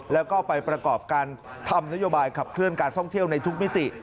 แล้วก็ไปประกอบการทำนโยบายขับเคลื่อนการท่องเที่ยวในทุกมิติ